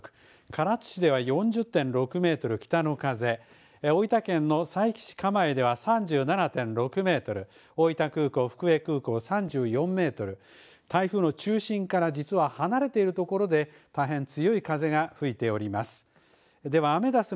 唐津市では４０．６メートル北の風、大分県の佐伯市蒲江では３７．６メートル大分空港、福江空港３４メートル、台風の中心から実は離れているいるところで大変強い風が吹いております。